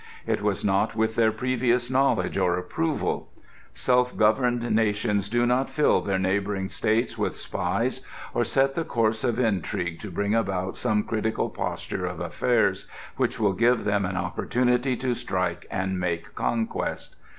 It was not with their previous knowledge or approval.... Self governed nations do not fill their neighbour states with spies, or set the course of intrigue to bring about some critical posture of affairs which will give them an opportunity to strike and make conquest....